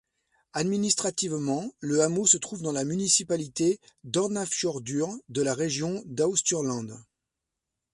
Administrativement, le hameau se trouve dans la municipalité d'Hornafjörður de la région d'Austurland.